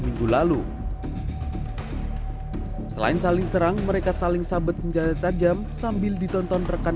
minggu lalu selain saling serang mereka saling sabet senjata tajam sambil ditonton rekan